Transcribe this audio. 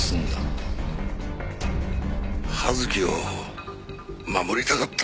葉月を守りたかった。